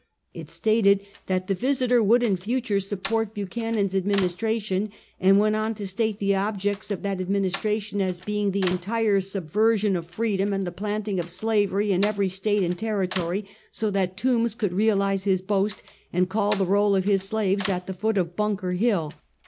It stated that the Visited' would, in future, support Buchanan's administration, and went on to state the objects of that administra tion as" being the entire subversion of Freedom and the planting of Slavery in every State and Territory, so that Toombs could realize his boast, and call the roll of his slaves at the foot of Bunker Hill.